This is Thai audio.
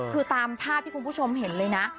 คือตามภาพที่คุณผู้ชมเห็นเลยนะ